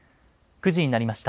９時になりました。